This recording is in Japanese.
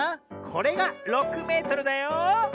これが６メートルだよ。